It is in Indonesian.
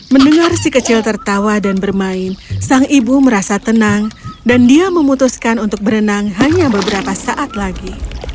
mendengar si kecil tertawa dan bermain sang ibu merasa tenang dan dia memutuskan untuk berenang hanya beberapa saat lagi